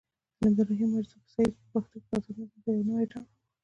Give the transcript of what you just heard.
عبدالرحيم مجذوب صيب په پښتو کې ازاد نظم ته يو نوې رنګ راوړو.